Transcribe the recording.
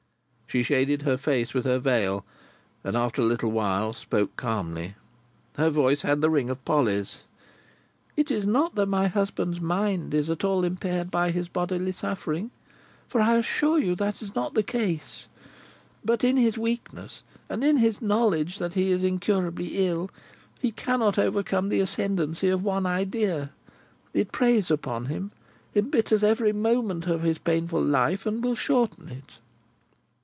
She shaded her face with her veil, and after a little while spoke calmly. Her voice had the ring of Polly's. "It is not that my husband's mind is at all impaired by his bodily suffering, for I assure you that is not the case. But in his weakness, and in his knowledge that he is incurably ill, he cannot overcome the ascendancy of one idea. It preys upon him, embitters every moment of his painful life, and will shorten it."